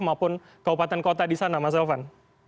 maupun kabupaten kota di sana mas elvan